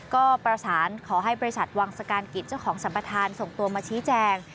ก็ประสานขอให้บริษัทวังสการกิจเจ้าของสัมปทานส่งตัวมาชี้แจง